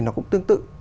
nó cũng tương tự